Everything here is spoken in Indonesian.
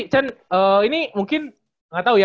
chen ini mungkin gak tau ya